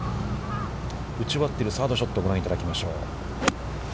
打ち終わっているサードショットをご覧いただきましょう。